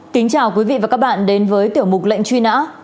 kính chào quý vị và các bạn đến với tiểu mục lệnh truy nã